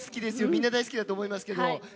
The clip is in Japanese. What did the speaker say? みんな大好きだと思いますが。